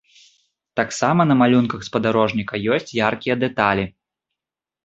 Таксама на малюнках спадарожніка ёсць яркія дэталі.